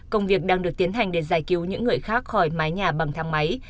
công việc đang được tiến hành để giải cứu những người khác khỏi mái nhà bằng thang máy